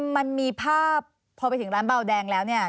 มันมีภาพพอไปถึงร้านเบาแดงแล้วเนี่ย